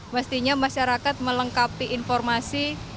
mestinya masyarakat melengkapi informasi